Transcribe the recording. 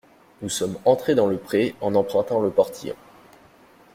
Nous sommes entrés dans le pré en empruntant le portillon.